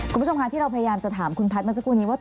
คุณผู้ชมค่ะที่เราพยายามจะถามคุณพัฒน์เมื่อสักครู่นี้ว่า